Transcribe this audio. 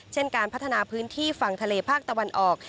เช่นการพัฒนาพื้นที่ฝั่งทะเลภาคตะวันออก